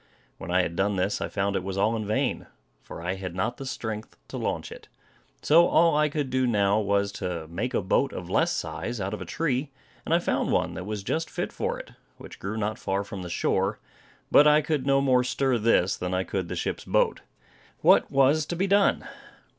When I had done this I found it was all in vain, for I had not the strength to launch it. So all I could do now, was to make a boat of less size out of a tree; and I found one that was just fit for it, which grew not far from the shore, but I could no more stir this than I could the ship's boat. What was to be done?